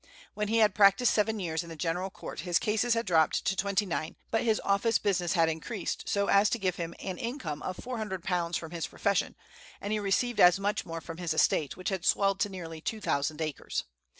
When he had practised seven years in the general court his cases had dropped to twenty nine, but his office business had increased so as to give him an income of £400 from his profession, and he received as much more from his estate, which had swelled to nearly two thousand acres.